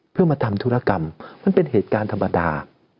เพื่อมาทำธุรกรรมมันเป็นเหตุการณ์ธรรมดา